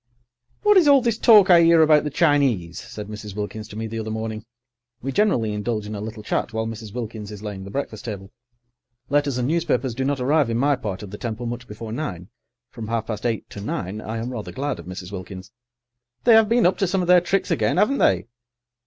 "WHAT is all this talk I 'ear about the Chinese?" said Mrs. Wilkins to me the other morning. We generally indulge in a little chat while Mrs. Wilkins is laying the breakfast table. Letters and newspapers do not arrive in my part of the Temple much before nine. From half past eight to nine I am rather glad of Mrs. Wilkins. "They 'ave been up to some of their tricks again, 'aven't they?"